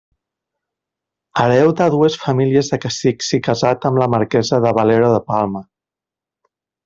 Hereu de dues famílies de cacics i casat amb la marquesa de Valero de Palma.